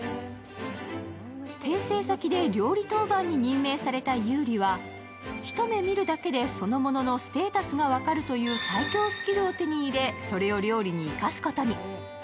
転生先で料理当番に任命された悠利は一目見るだけでそのもののステータスが分かるという最強スキルを手に入れ、それを料理に生かすことに。